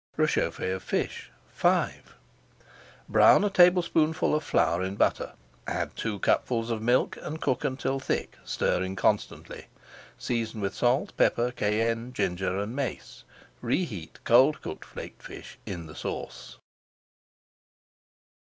RÉCHAUFFÉ OF FISH V Brown a tablespoonful of flour in butter, add two cupfuls of milk, and cook until thick, stirring constantly. Season with salt, pepper, cayenne, ginger, and mace. Reheat cold cooked flaked fish in the sauce.